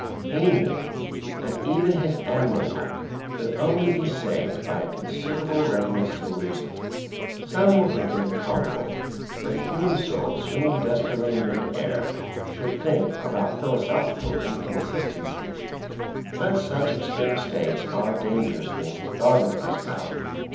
He knew that even his animal life could only be saved by a considerable readiness to lose it. Some will think it improbable that a human soul swinging desperately in mid air should think about philosophical inconsistencies. But such extreme states are dangerous things to dogmatize about.